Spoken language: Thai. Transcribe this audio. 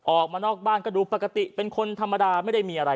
ออกมานอกบ้านก็ดูปกติเป็นคนธรรมดาไม่ได้มีอะไร